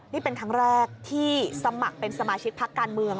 นี่เป็นครั้งแรกที่สมัครเป็นสมาชิกพักการเมือง